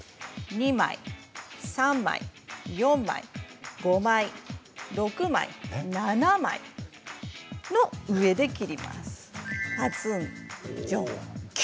１枚２枚３枚４枚５枚６枚７枚この上で切ります。